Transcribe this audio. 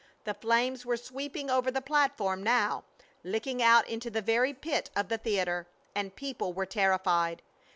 The flames were sweeping over the platform now, licking out into the very pit of the theater, and people were terrified.